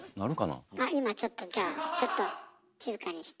あっ今ちょっとじゃあちょっと静かにして。